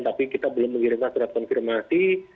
tapi kita belum mengirimkan surat konfirmasi